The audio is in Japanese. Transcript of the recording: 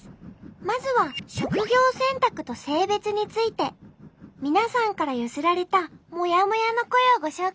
まずは職業選択と性別について皆さんから寄せられたもやもやの声をご紹介します。